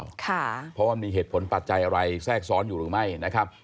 เพราะว่ามีเหตุผลปัจจัยอะไรแทรกซ้อนอยู่หรือไม่นะครับ